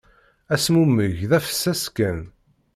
Azmumeg d afessas kan.